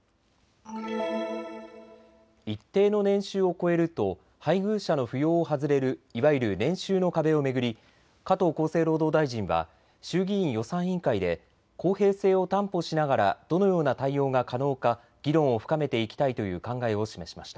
一定の年収を超えると配偶者の扶養を外れるいわゆる年収の壁を巡り、加藤厚生労働大臣は衆議院予算委員会で公平性を担保しながらどのような対応が可能か議論を深めていきたいという考えを示しました。